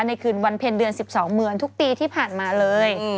คืนวันเพ็ญเดือน๑๒เหมือนทุกปีที่ผ่านมาเลย